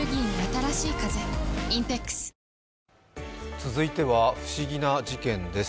続いては不思議な事件です。